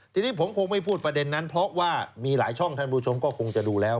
ทีนี้ผมคงไม่พูดประเด็นนั้นเพราะว่ามีหลายช่องท่านผู้ชมก็คงจะดูแล้ว